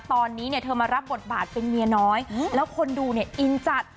ตอนนี้เนี่ยเธอมารับบทบาทเป็นเมียน้อยแล้วคนดูเนี่ยอินจัด